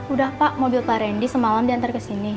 udah pak mobil pak randy semalam diantar kesini